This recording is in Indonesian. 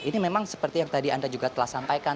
ini memang seperti yang tadi anda juga telah sampaikan